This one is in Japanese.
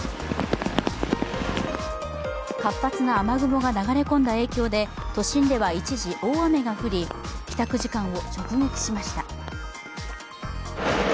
活発な雨雲が流れ込んだ影響で都心では一時、大雨が降り帰宅時間を直撃しました。